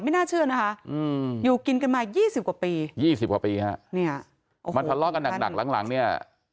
ไม่น่าเชื่อนะคะอยู่กินกันมา๒๐กว่าปี